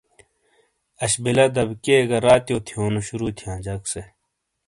آش بِیلہ دبیکئیے گہ راتیو تھیونو شروع تھیاں جک سے ۔